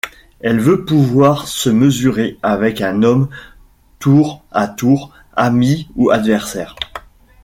Elle veut pouvoir se mesurer avec un homme, tour à tour ami ou adversaire.